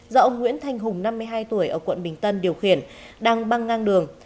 do ông nguyễn thanh hùng năm mươi hai tuổi ở quận bình tân điều khiển đang băng ngang đường